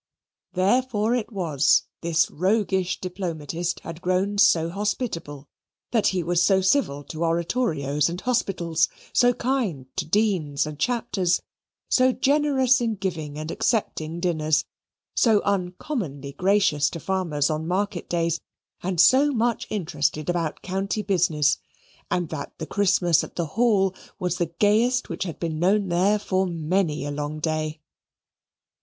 Therefore it was that this roguish diplomatist has grown so hospitable; that he was so civil to oratorios and hospitals; so kind to Deans and Chapters; so generous in giving and accepting dinners; so uncommonly gracious to farmers on market days; and so much interested about county business; and that the Christmas at the Hall was the gayest which had been known there for many a long day.